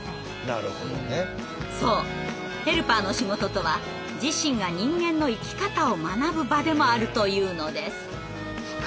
そうヘルパーの仕事とは自身が人間の生き方を学ぶ場でもあるというのです。